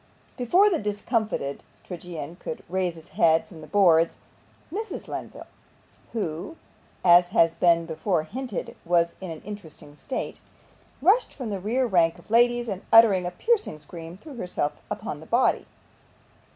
Before the discomfited tragedian could raise his head from the boards, Mrs. Lenville (who, as has been before hinted, was in an interesting state) rushed from the rear rank of ladies, and uttering a piercing scream threw herself upon the body.